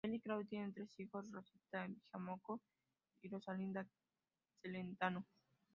Él y Claudia tienen tres hijos, Rosita, Giacomo y Rosalinda Celentano.